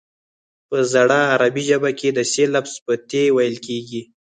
په زړه عربي ژبه کې د ث لفظ په ت ویل کیږي